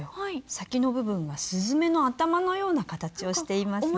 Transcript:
先の部分が雀の頭のような形をしていますね。